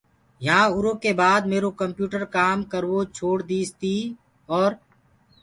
يهآنٚ آرآ ڪي بآد ميرو ڪمپِيوٽر ڪآم ڪروو ڇوڙديٚس تي اورَ